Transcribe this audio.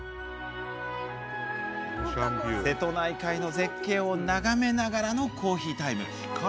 瀬戸内海の絶景を眺めながらのコーヒータイム。